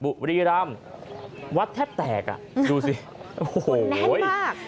ผู้ชมไปที่จังหวัดบุรีร่ำวัดแทบแตกอ่ะดูสิโอ้โหแน่นมาก